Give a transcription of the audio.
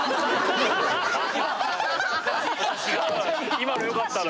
今のよかったな。